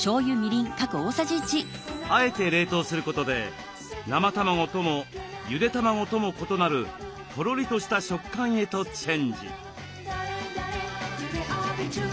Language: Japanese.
あえて冷凍することで生卵ともゆで卵とも異なるとろりとした食感へとチェンジ。